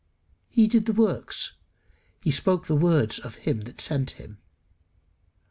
He did the works, he spoke the words of him that sent him.